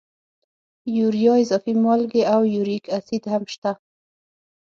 یوریا، اضافي مالګې او یوریک اسید هم شته.